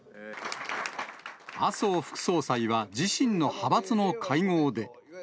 麻生副総裁は自身の派閥の会合で。